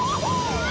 うわ！